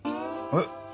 えっ！